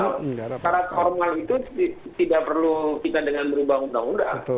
syarat formal itu tidak perlu kita dengan berubah undang undang